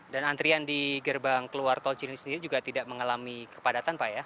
dan antrian di gerbang keluar tol cilinyi sendiri juga tidak mengalami kepadatan pak ya